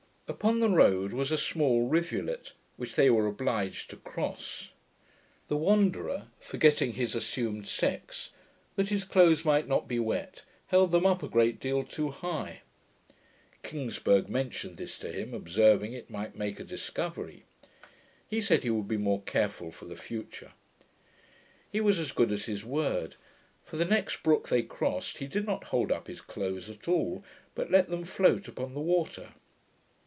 Upon the road was a small rivulet which they were obliged to cross. The Wanderer, forgetting his assumed sex, that his clothes might not be wet, held them up a great deal too high. Kingsburgh mentioned this to him, observing, it might make a discovery. He said he would be more careful for the future. He was as good as his word; for the next brook they crossed, he did not hold up his clothes at all, but let them float upon the water.